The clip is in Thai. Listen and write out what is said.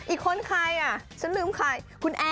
อีกคนใครอ่ะฉันลืมคุณแอน